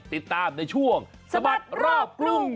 ติดตามในช่วงสะบัดรอบกรุง